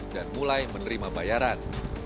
dan mulai menerima bayaran